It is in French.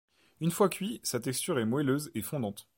Une fois cuit, sa texture est moelleuse et fondante.